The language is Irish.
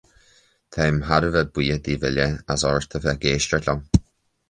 Táim thar a bheith buíoch daoibh uile as ucht a bheith ag éisteacht liom